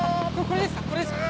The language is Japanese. これですか？